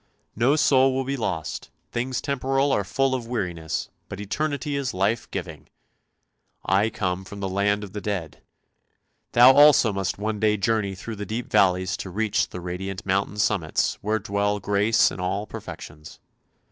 No soul will be lost, things temporal are full of weariness, but eternity is life giving. I come from the land of the dead; thou also must one day journey through the deep valleys to reach the radiant mountain summits where dwell grace and all perfections.